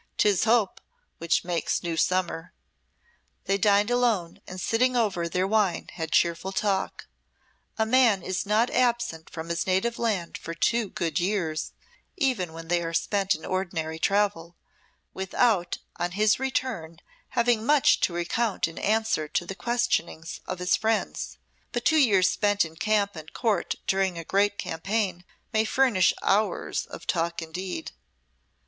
'Tis hope which makes new summer." They dined alone, and sitting over their wine had cheerful talk. A man is not absent from his native land for two good years, even when they are spent in ordinary travel, without on his return having much to recount in answer to the questionings of his friends; but two years spent in camp and Court during a great campaign may furnish hours of talk indeed.